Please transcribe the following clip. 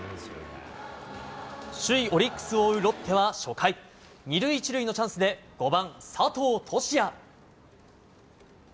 首位オリックスを追うロッテは初回２塁１塁のチャンスで５番、佐藤都志也。